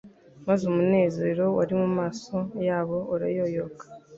maze umunezero wari mu maso yabo urayoyoka.